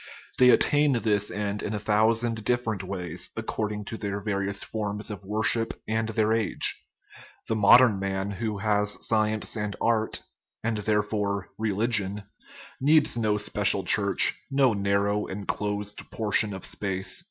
They attain this end in a thousand different ways, according to their various forms of wor ship and their age. The modern man who " has sci ence and art " and, therefore, " religion " needs no special church, no narrow, enclosed portion of space.